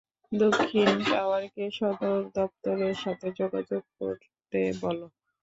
দক্ষিণ টাওয়ারকে সদর দপ্তরের সাথে যোগাযোগ করতে বল!